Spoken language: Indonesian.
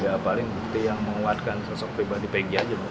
ya paling bukti yang menguatkan sosok pribadi peggy aja mas